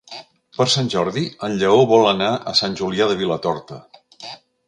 Per Sant Jordi en Lleó vol anar a Sant Julià de Vilatorta.